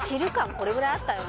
これぐらいあったよね？